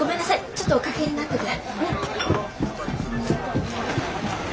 ちょっとお掛けになってて。